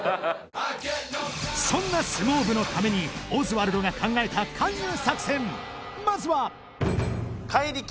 そんな相撲部のためにオズワルドが考えた勧誘作戦まずは怪力！